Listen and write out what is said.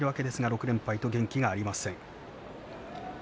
６連敗と元気がありません。